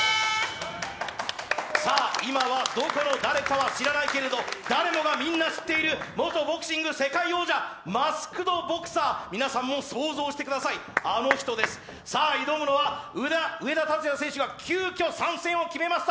今はどこの誰かは知らないけれど誰もがみんな知っている元ボクシング世界王者、マスク・ド・ボクサー、皆さんも想像してください、あの人です、挑むのは上田竜也選手が急きょ参戦を決めました。